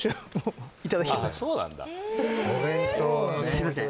すいません